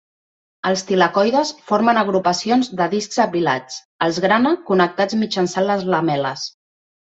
Els tilacoides formen agrupacions de discs apilats, els grana, connectats mitjançant les lamel·les.